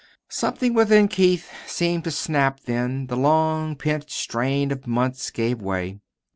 Something within Keith seemed to snap then. The long pent strain of months gave way.